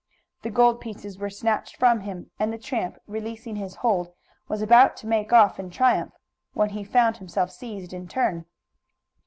The gold pieces were snatched from him, and the tramp, releasing his hold, was about to make off in triumph when he found himself seized in turn.